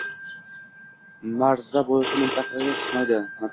Marza bo‘lishi mantiqqa sig‘maydi.